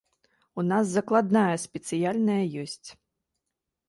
У нас закладная спецыяльная ёсць.